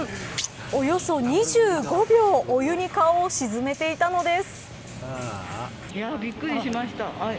およそ２５秒お湯に顔を沈めていたのです。